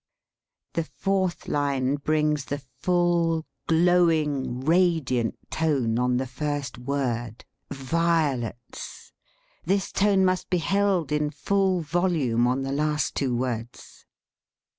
The fourth line brings the full, glowing, radiant tone on the first word, "violets." This tone must be held in full volume on the last two words.